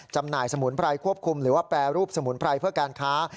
จำหน่ายสมุนไพรควบคุมหรือว่าแปรรูปสมุนไพรเพื่อการค้า